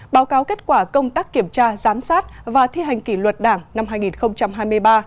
báo cáo kết quả công tác kiểm tra giám sát và thi hành kỷ luật đảng năm hai nghìn hai mươi ba